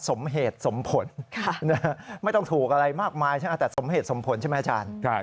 สมเหตุสมผลไม่ต้องถูกอะไรมากมายแต่สมเหตุสมผลใช่หรือ